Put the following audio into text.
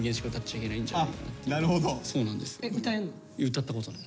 歌ったことない。